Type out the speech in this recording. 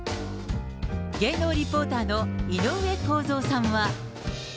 芸能リポーターの井上公造さんは。